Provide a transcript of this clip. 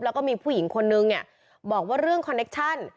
แล้วก็มีผู้หญิงคนนึงเนี่ยบอกว่าเรื่องคอนเคชั่น